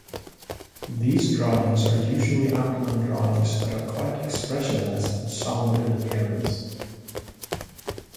These drawings are usually outline drawings that are quite expressionless and somber in appearance.